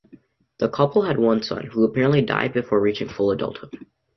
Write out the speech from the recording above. The couple had one son who, apparently, died before reaching full adulthood.